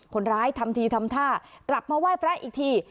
ทำทีทำท่ากลับมาไหว้พระอีกที